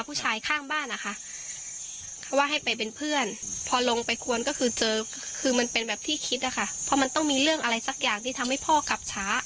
ผู้ชายข้างบ้านนะคะเขาว่าให้ไปเป็นเพื่อนพอลงไปควรก็คือเจอคือมันเป็นแบบที่คิดอะค่ะเพราะมันต้องมีเรื่องอะไรสักอย่างที่ทำให้พ่อกลับช้า